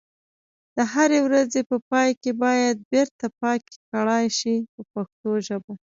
د هرې ورځې په پای کې باید بیرته پاکي کړای شي په پښتو ژبه.